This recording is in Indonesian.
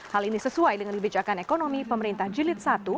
hal ini sesuai dengan kebijakan ekonomi pemerintah jilid i